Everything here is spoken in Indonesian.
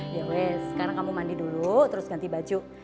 ya weh sekarang kamu mandi dulu terus ganti baju